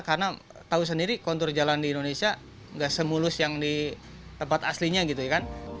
karena tahu sendiri kontur jalan di indonesia nggak semulus yang di tempat aslinya gitu ya kan